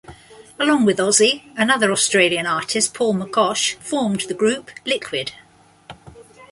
Along with Ozzy, another Australian artist, Paul McCosh formed the group Liquid.